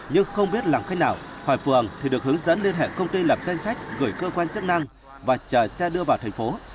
nhưng không biết làm thế nào hoài phường thì được hướng dẫn liên hệ công ty lập danh sách gửi cơ quan chức năng và chờ xe đưa vào thành phố